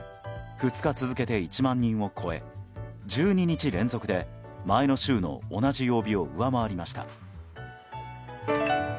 ２日続けて１万人を超え１２日連続で、前の週の同じ曜日を上回りました。